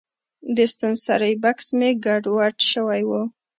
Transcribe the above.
د ستنسرۍ بکس مې ګډوډ شوی و.